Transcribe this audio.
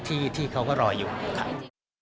ที่เขาก็รออยู่ครับ